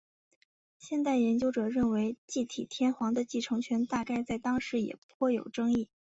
现代研究者认为继体天皇的继承权大概在当时也颇有争议。